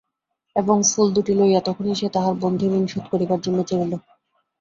এবং ফুল দুটি লইয়া তখনই সে তাহার বন্ধুঋণ শোধ করিবার জন্য চলিল।